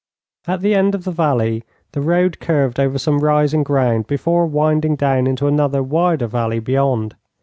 At the end of the valley the road curved over some rising ground before winding down into another wider valley beyond.